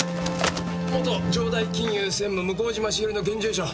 元・城代金融専務向島茂の現住所。